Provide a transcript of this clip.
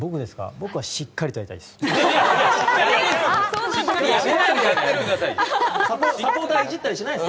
僕はしっかりとやりたいです。